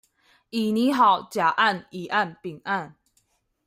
已擬好甲案乙案丙案